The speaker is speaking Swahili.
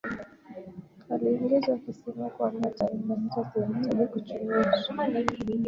aliongeza akisema kwamba taarifa hizo zinahitaji kuchunguzwa